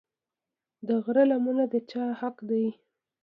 د غره للمه د چا حق دی؟